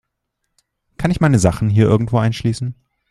Kann ich meine Sachen hier irgendwo einschließen?